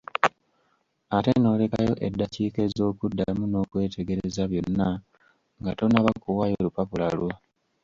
Ate n'olekayo eddakiika ez'okuddamu okwetegereza byonna, nga tonnaba kuwaayo lupapula lwo.